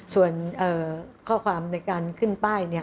ส่วนข้อความในการขึ้นป้าย